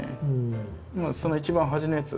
その一番端のやつ。